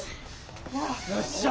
よっしゃ！